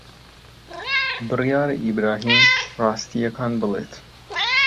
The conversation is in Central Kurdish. بڕیارە ئیبراهیم ڕاستییەکان بڵێت.